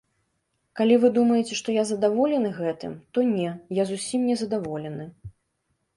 Калі вы думаеце, што я задаволены гэтым, то не, я зусім незадаволены.